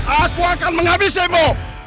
aku akan menghabisimu